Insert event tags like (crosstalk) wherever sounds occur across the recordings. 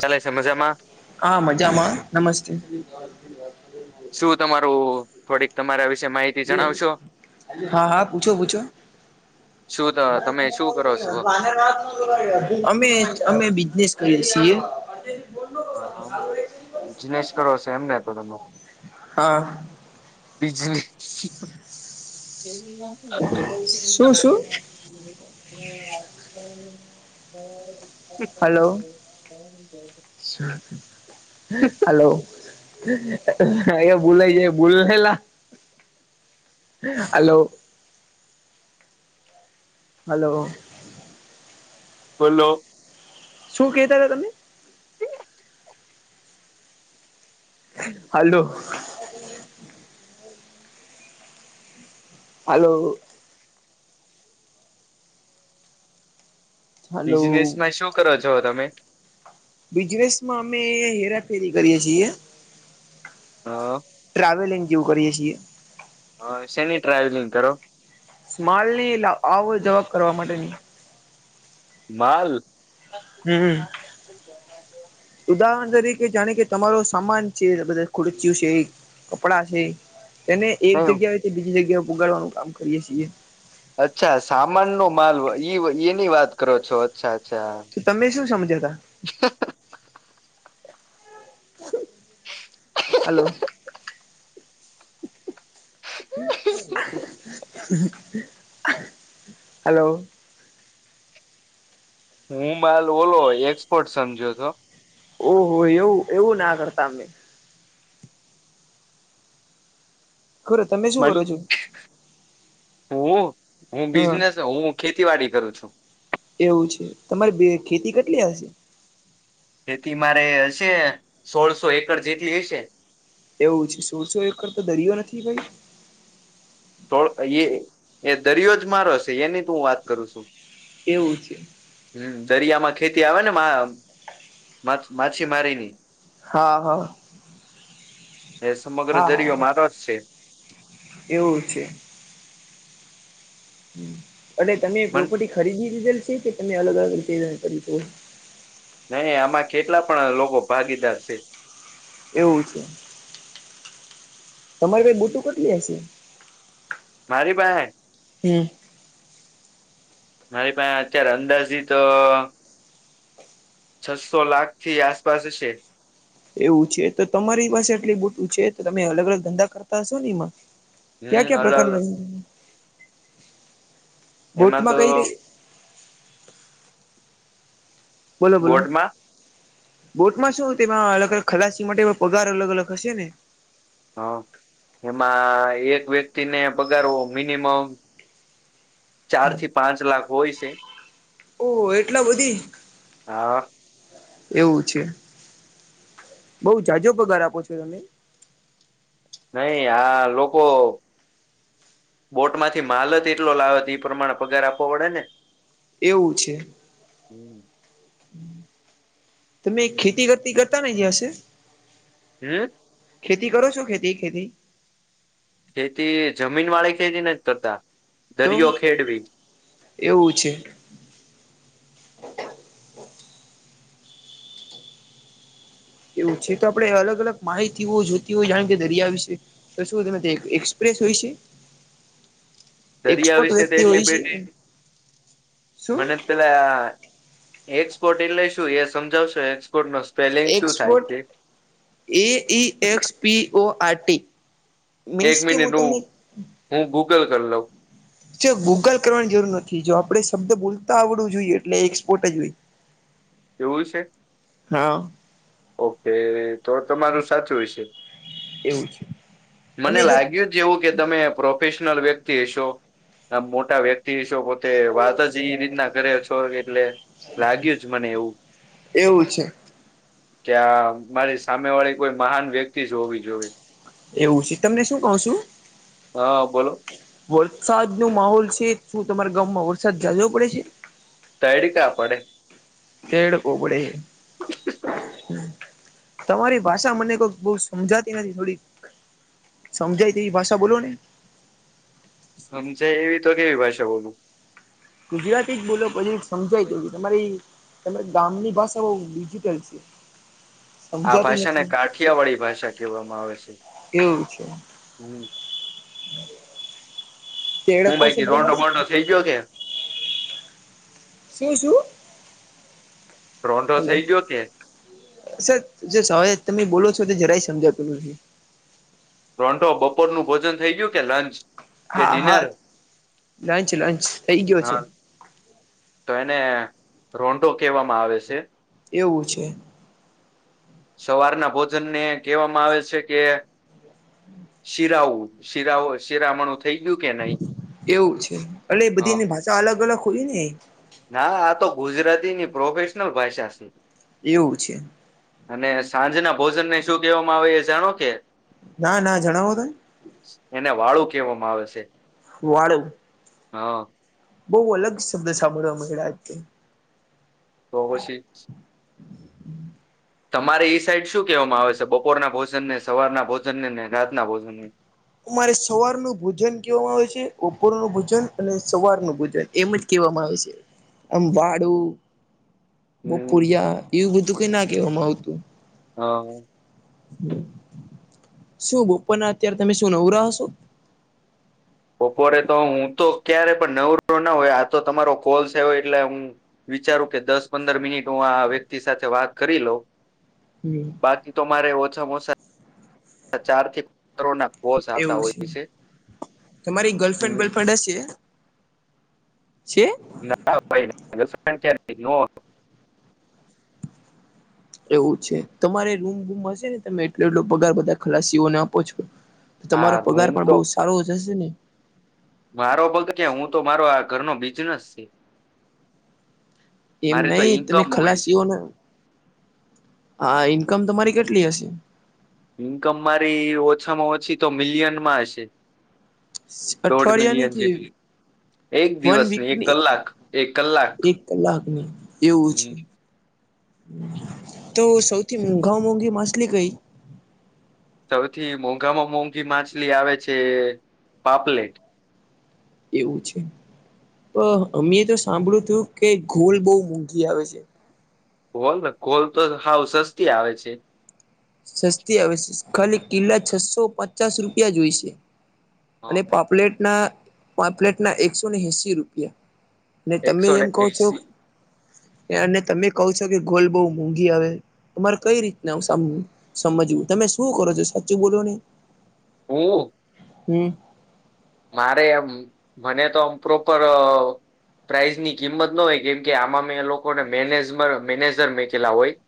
ચાલ છે મજામાં. હા મજામાં નમસ્તે. વા. શું તમારું થોડીક તમારા વિશે માહિતી. જણાવશો હા હા પૂછો પૂછો. શું તમે શું કરો આ છો વાત. અમે અમે બિઝનેસ કરી છીએ. અજ બોલો. હા બિજનેસ કરો છ એમને તો તમે. હા. બજલી. શું હમ શું હ. (inaudible) (unintelligible) સર. હલોો અ બોલા જ બોલલા. હલો. હલો. બોલો. શું કેતા હતા તમે. હાલો. હાલું. હલો બિઝનેસ માં શું કરો છો તમે. બિજરેસમાં અમે હેરાફેરી કરીએ છીએ. હા. ટ્રાવેલિંગ જેવું કરીએ છીએ. હ સેની ટ્રાવેલિંગ કરો. માલ ની આવ જવાબ કરવા માટેની. માલ. હમ. ઉદાહરણ તરીકે જાણે કે તમારો સામાન છેધ ખુર્ચય્યું છે. કપડા છે, તેને એક કયો? જગ્યા હો બીજી જગ્યાએ ઉગાડવાનું કામ કરીએે છીએ. અચ્છા સામાન નો માલ ઇવ એની વાત કરો છો. સાચા તો તમે શું સમજ્યા તા (unintelligible) હલો. (inaudible) હલો. હું માલ ઓલો એક્સપર્ટ સમજ્યો છો. ઓહ એવું એવું ના કરતા અમે. ખરું તમે શું મન કરો છો હો હું હું હા બિઝનેસ હું ખેતીવાડી કરું છું. એવું છે તમારે બે ખેતી કેટલી હશે? ખેતી મારે હશે, સોળસો એકર જેટલી હશે. એવુંછે, સોળસો એકર તો દરિયો નથી ભાઈ? થોડ એયે એ દરિયોજ મારો હશે એની તો હું વાત કરું શુ. એવું છે. હ દરિયામાં ખેતી આવે ને મા. માચ માછીમારીની. હા હા એ સમગ્ર હા હા દરિયો મારો જ છે. એવું છે. હમ્મ અને તમે મન પ્રોપર્ટી ખરીદી લીધેલ છે કે તમે અલગ અલગ રીતે કર્યું છે. નહી આમાં કેટલા પણ લોકો ભાગીદાર છે. એવું છે. તમારી ભાઈ બોટું કેટલી હશે? મારી પાસે? હમ્મ મારી પાસે અત્યારે અંદાજી તો. છસો લાખ થી આસપાસ છે. એવું છે, તો તમારી પાસે એટલી બોટું છે, તો તમે અલગ અલગ ધંધા કરતા હશો ને એમાં? ક્યા હમ ક્યા અલગ પ્રકારના. એમાં બોટમાં તો કઈ તે. બોલો બોલો. બોટમાં બોટમાં શું તેમાં અલગ અલગ ખલાસી માટે પગાર અલગ અલગ હશે ને? હા એમાં એક વ્યક્તિને પગારવો મિનિમમ. ચાર થી પાંચ લાખ હોય છે. ઓહ એટલા બધી. હા એવું છે બઉ જાજો પગાર આપો છો તમે. નહી આ લોકો. બોટમાંથી માલજ એટલો લાવે તો એ પ્રમાણે પગાર આપવો પડે ને. એવું છે. હમ્મ તમે ખેતી ખતી કરતા ને હશે? (unintelligible) ખેતી કરો છો કે ખેતી ખેતી? ખેતી જમીન વાળી ખેતી નથ કરતા, તો દરિયો ખેડવી. એવું છે. એવું છે, તો આપણે અલગ અલગ માહિતીઓ જોતી હોય જાણકે દરિયા વિશે. તો શું તમે એક એક્સપ્રેસ હોય છે. દરિયા એક્સપર્ટ વિશે તો વ્યક્તિ એટલી હોય છે બેટી એમ શું મને. પેલા એક્સપોર્ટ એટલે શું એ સમજાવશો એક્સપોર્ટ નો. સ્પેલિંગ શું થાય એક્સપોટ છે એ E X P O R T. એક મીન્સ કે મિનિટ હું તમને હું ગૂગલ કરી લઉં. ગૂગલ કરવાની જરૂર નથી જો આપડે શબ્દ બોલતા આવડવું જોઈએ એટલે એક્સપોર્ટ જ હોય. એવું છે. હા. ઓકે તો તમારું સાચું વિશે. એવું છે. મને અને જો લાગ્યું જ એવું કે તમે પ્રોફેશનલ વ્યક્તિ હશો આ મોટા વ્યક્તિ હશો. તે વાત જ એ રીતના કરે છો એટલે લાગ્યું જ મને એવું. એવું છે. કે હા મારી સામે વાળી કોઈ મહાન વ્યક્તિ જ હોવી જોઈએ. એવું છે તમને શું કહુ છું. હા બોલો. વરસાદ નો માહોલ છે શું તમારા ગામમાં વરસાદ જાજો પડે છે. તૈડી કા પડે. તૈડકો પડે. તમારી ભાષા મને કોઈક બહ સમજાતી નથી થોડી સમજાય તેવી ભાષા બોલો ને. સમજાય એવી તો કેવી ભાષા બોલું. ગુજરાતી જ બોલો પછી સમજાય ગ તમારી. તમે ગામની ભાષા બહ ડિજિટલ છી. આ ભાષા ને કાઠિયા વાળી ભાષા કહેવામાં આવે છે એવું છે હમ. (unintelligible) હું બાકી શબ્દમાં રોડો બોડો શું થઇ ગયો કે. શું શું. ટ્રોંડો હેલો થઈ ગયો કે. સર જે સવાલ તમે બોલો છો તો જરાય સમજાતું નથી. રોંઢો બપોરનું ભોજન થઈ ગયું કે લંચ. કે હા હા ડિનર લંચ લંચ થઇ ગયો છે. હા તો એને રોંઢો કહેવામાં આવે છે. એવું છે. સવારના ભોજન ને કહેવામાં આવે છે કે. શિરાઉ શિરાઓ શીરા મ. એવું છે એટ એ હ બધીની ભાષા અલગ અલગ હોય ને. ના આ તો ગુજરાતીની પ્રોફેશનલ ભાષા છે. એવું છે. અને સાંજના ભોજનને શું કહેવામાં આવે એ જાણો કે. ના ના જણાવો ને એને વાળું કેહેવામાં આવે છે. વાળું. હા. બહુ અલગ શબ્દ સાંભળવા મેળ્યા. તો પછી. તમારે ઈ સાઈડ શું કહેવામાં આવે છે બપોર ના ભોજન ને સવાર ના ભોજન ને ને રાતના ભોજન ને. મારે સવાર નું ભોજન કવામાં આવે છે બપોર નું ભોજન અને સવાર નું ભોજન. એમ જ કેહેવામાં આવે છે આમ વાડું. હમ બપોરિયા એવું બધું કઈ ના કહેવામાં આવતું. હા શું બપોરના અત્યારે તમે શું તમે નવરા હશો બપોરે તો હું તો ક્યારે પણ નવરોરો ના હોય આ તો તમારો કોલ્સ એવ એટલે હું વિચારું કે દસ પંદર મિનિટ હું આ વ્યક્તિ સાથે વાત કરી લઉ હમ બાકી તો મારે ઓછામાં ઓછ ચારથી કરોડ ના પોસ એવું છે તમારી ગર્લફ્રેન્ડ બોલફ્રેન્ડ હશે. છે. ના ભાઈ ગર્લફ્રેન્ડ ક્યારે (unintelligible) એવું છે તમારે રૂમ ગૂમ હશે ને તમે એટલો એટલો પગાર બધા ખલાસીઓને આપો છો તમારો હા પગાર હું પણ બહુ તો સારો જશે ને મારો ભગ કે હું તો મારો આ ઘરનો બિઝનેસ છે. એમ મારી તો નહિ તમે ઈન્કમ હોય છે ખલાસીઓને હા ઇન્કમ તમારી કેટલી હશે ઇન્કમ મારી ઓછામાં ઓછી તો મિલિયન માં હશે. દોઢ અઠવાળ ની મિલિયન કે જેટલી એક વન દિવસની એક વીકની કલાક એક કલાક એક કલાકની એવું હમ છે. તો સૌથી મોંઘા મોંઘી માછલી કઈ સૌથી મોંઘામાં મોંઘી માછલી આવે છે પાપલેટ એવું છે મૈં તો અમે તો સાંભળ્યું તું કે ઘોલ બહુ મોંઘી આવે છે. કોલ ને કોલ તો સાવ સસ્તી આવે છે. સસ્તી આવે છે ખાલી કિલ્લા છસો પચાસ રૂપિયા જોઈશે. અને પાપલેટના પાપલેટના એકસો ને એસી રૂપિયા ને તમે એકસો ને એમ કહો છો એસી અને તમે કહ છો કે ગોલ બહુ મોંઘી આવે તમારે કઈ રીતના આવસા આમ સમજવું તમે શું કરો છો સાચું બોલો નહી હ હમ. મારે એમ મને તો આમ પ્રોપર પ્રાાઈઝ ની કિંમત ન હોય કેમ કે આમાં મે એ લોકોને મેનેજ મેનેજર મેકેલા હોય (inaudible)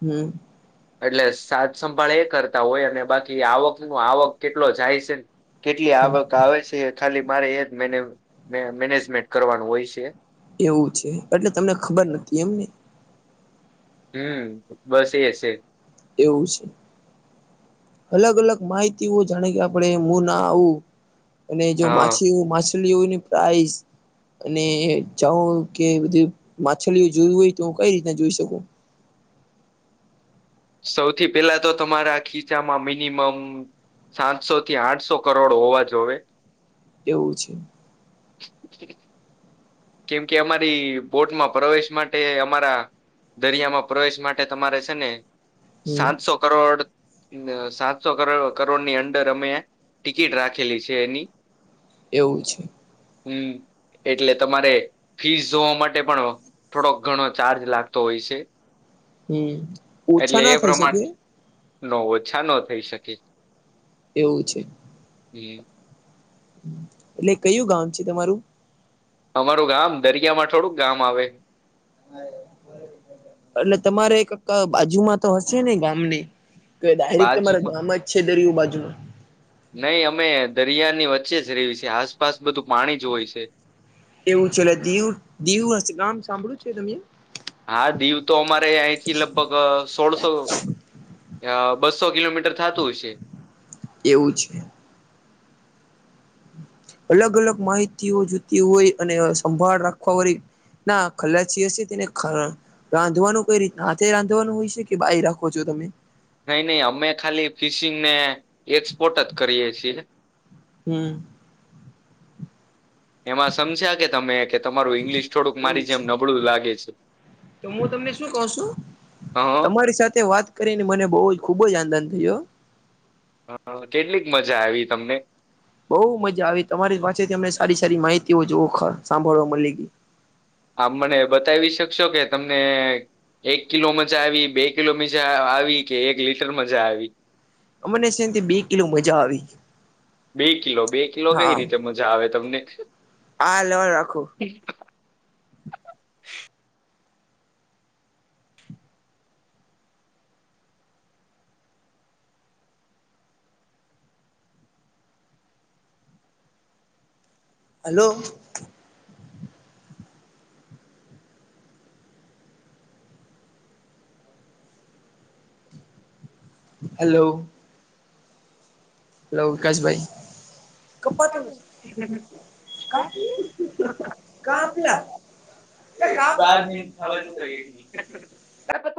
હમ (inaudible) એટલે સાજ સંંભાળ એ કરતા હોય અને બાકી આવક ન આવક કેટલો જાય છે ને કેટલી હમ આવક આવે છે ખાલી મારે એ જ મે મેનેજમેન્ટ કરવાનું હોય છે‌. એવું છે એટલે તમને ખબર નથી એમને હમ બસ એ જ છે એવું છે. અલગ અલગ માહિતીઓ જાણે કે આપડણે મુું ના આવું અને જો હા માછલી માછલીઓની પ્રાઈસ અને જાવો કે બધી માછલીઓ જોવી હોય તો કઈ રીતના જોઈ શકું સૌથી પેલા તો તમારા ખીચામાં મિનિમમ સાતસો થી આઠસો કરોડ હોવા જોવે. એવું છે. હ. કેમ કે અમારી બોટમાં પ્રવેશ માટે અમારા દરિયામાં પ્રવેશ માટે તમારે છે ને હમ સાતસો કરોડ સાતસો કર કરોડની અંદર અમે ટિકિટ રાખેલી છે એની એવું છે. હમ એટલે. તમારે ફીસ જોવા માટે પણ થોડોક ઘણો ચાર્જ લાગતો હોય છે. હમ ઓછા એટલે ના એ થઈ શકે પ્રમાણે ન ઓછા ન થઈ શકે. એવું છે. હમ. ને કયું ગામ છે તમારું. અમારું ગામ દરિયા માં થોડુંક ગામ આવે. એટલે તમારે એક બાજુમાં તો હશે ને ગામની. તો ડાયરેક્ટ તમારા બાજુમાં ગામમાં જ છે દરયું બાજુ ન નહી અમે દરિયાની વચ્ચે જ રવી છે આસપાસ બધું પાણી જ હોય છે. એવું છે દીવું દીવું ગામ સાંભળું છે તમ. હા દીવ તો અમારે અહીંથી લગભગ સોળસો. બસો કિલોમીટર થાતું હશે. એવું છે. અલગ અલગ માહિતીઓ જોતી હોય અને સંભાળ રાખવા વાળી. ના ખલાચી હશે તેને ખ. રાંધવાનું કઈ રીત હાથે રાંધવાનું હોય છે કે બાઈ રાખો છો તમે. નઈ નહી અમે ખાલી ફિશિંગને એક્સપોર્ટ જ કરીએ છીએ. હમ એમાં સમજ્યા કે તમે કે તમારું ઈંગ્લિશ થોડુંક મારી એવું જેમ છે નબળું લાગે છે. તો હું તમને શું કહ છું હ તમારી સાથે વાત. કરીને મને બહુ જ ખુબ જ આનંદ થયો હ કેટલીક મજા આવી તમને. બહુ મજા આવી તમારી પાસેથી અમને સારી સારી માહિતીઓ જોવ સાંભળવા મળી ગઈ. આમ મને બતાવી શકશો કે તમને. એક કિલો મજા આવી બે કિલો મજા આવી કે એક લીટર મજા આવી. અમને છેથી બે કિલો મજા આવી. બે કિલો બે કિલો કઈ રીતે મજા આવે તમને આલ રાખો. ઠ. (inaudible) હલો. હેલો. હલો વિકાશભાઈ. ખબર નહી કાપતા કાપલા. કાફલા એ કાફલા બહાર કામ (inaudible) આ કશું